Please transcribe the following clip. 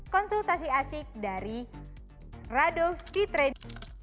konsultasi asik dari rado fitredi